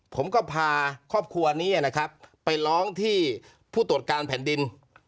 ผมก็พาครอบครัวนี้นะครับไปร้องที่ผู้ตรวจการแผ่นดิน